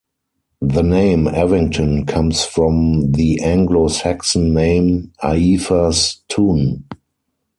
The name Evington comes from the Anglo-Saxon name Aefa's Tun.